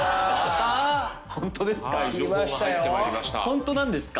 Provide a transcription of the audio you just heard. ホントなんですか？